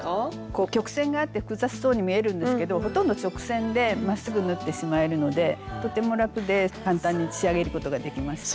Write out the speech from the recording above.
こう曲線があって複雑そうに見えるんですけどほとんど直線でまっすぐ縫ってしまえるのでとても楽で簡単に仕上げることができました。